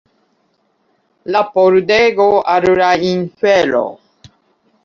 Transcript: La pordego al la infero